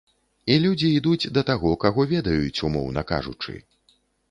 І людзі ідуць да таго, каго ведаюць, умоўна кажучы.